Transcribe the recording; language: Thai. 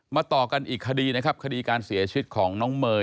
ต่อกันอีกคดีนะครับคดีการเสียชีวิตของน้องเมย์